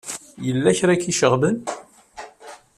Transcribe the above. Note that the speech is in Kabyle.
Yella kra ay k-iceɣben?